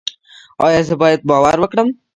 ایا زه باید باور وکړم؟